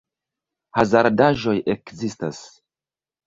Hazardaĵoj ekzistas.